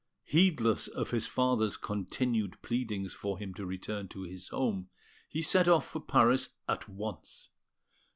Heedless of his father's continued pleadings for him to return to his home, he set off for Paris at once; and M.